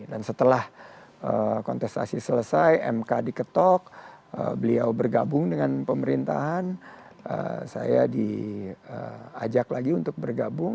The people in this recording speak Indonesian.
dan setelah kontestasi selesai mk diketok beliau bergabung dengan pemerintahan saya diajak lagi untuk bergabung